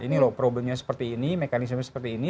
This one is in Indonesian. ini loh problemnya seperti ini mekanisme seperti ini